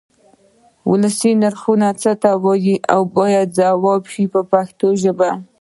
ولسي نرخونه څه ته وایي باید ځواب شي په پښتو ژبه.